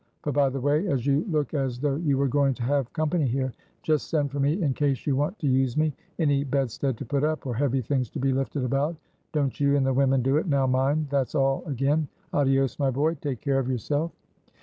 But, by the way, as you look as though you were going to have company here just send for me in case you want to use me any bedstead to put up, or heavy things to be lifted about. Don't you and the women do it, now, mind! That's all again. Addios, my boy. Take care of yourself!"